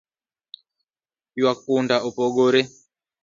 Ywak punda opogore